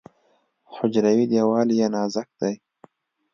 حجروي دیوال یې نازک دی.